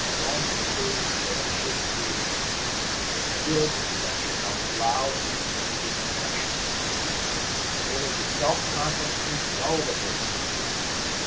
Don Juste's fan shaped beard was still the centre of loud and animated discussions. There was a self confident ring in all the voices.